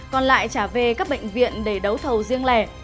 còn lại trả về các bệnh viện để đấu thầu riêng lẻ